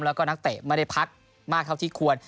แล้วก็นักเตะไม่ได้พักมากเท่าที่ควร